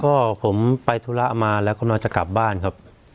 ก็ผมไปธุระมาแล้วกำลังจะกลับบ้านครับ